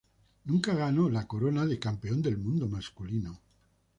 Nunca ganó la corona de Campeona del Mundo Femenina.